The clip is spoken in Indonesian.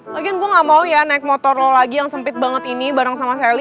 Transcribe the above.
lagian gue gak mau ya naik motor lagi yang sempit banget ini bareng sama sally